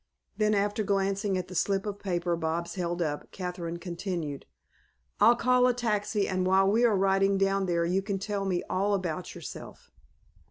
Then, after glancing at the slip of paper Bobs held up, Kathryn continued: "I'll call a taxi, and while we are riding down there you can tell me all about yourself."